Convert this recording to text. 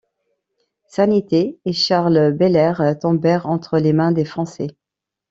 Sanité et Charles Belair tombèrent entre les mains des Français.